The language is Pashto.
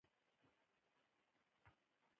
هر واکسین د اړوندو ناروغيو لپاره تطبیق کېږي.